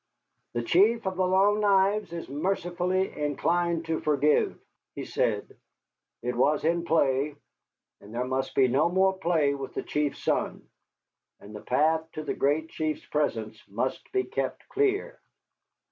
"The Chief of the Long Knives is mercifully inclined to forgive," he said. "It was in play. But there must be no more play with the Chief's son. And the path to the Great Chief's presence must be kept clear."